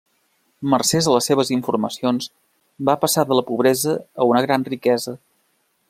Mercès a les seves informacions va passar de la pobresa a una gran riquesa.